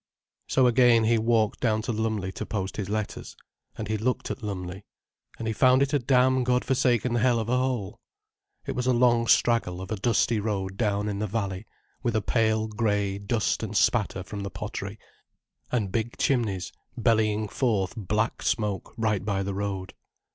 So again he walked down to Lumley to post his letters. And he looked at Lumley. And he found it a damn god forsaken hell of a hole. It was a long straggle of a dusty road down in the valley, with a pale grey dust and spatter from the pottery, and big chimneys bellying forth black smoke right by the road.